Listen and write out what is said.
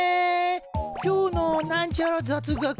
「今日のなんちゃら雑学」。